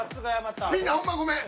みんなほんまごめん。